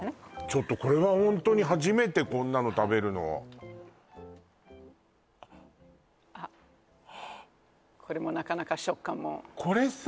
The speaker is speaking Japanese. ちょっとこれはホントに初めてこんなの食べるのあっこれもなかなか食感も独特です